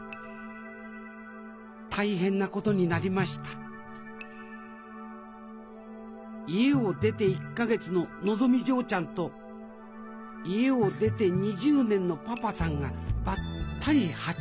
大変なことになりました家を出て１か月ののぞみ嬢ちゃんと家を出て２０年のパパさんがばったり鉢合わせ。